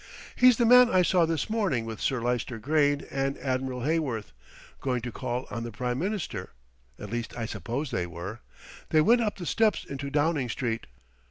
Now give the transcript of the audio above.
"He's the man I saw this morning with Sir Lyster Grayne and Admiral Heyworth, going to call on the Prime Minister at least, I suppose they were; they went up the steps into Downing Street.